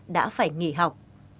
đã phải nghỉ học